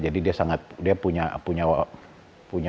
jadi dia sangat dia punya visi lah terhadap daerahnya